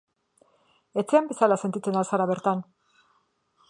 Etxean bezala sentitzen al zara bertan?